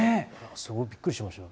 すごいびっくりしました。